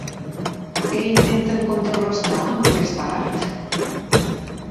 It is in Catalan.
Què intenten contrarestar amb aquest art?